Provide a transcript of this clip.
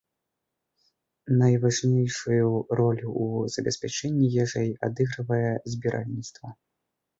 Найважнейшую ролю ў забеспячэнні ежай адыгрывае збіральніцтва.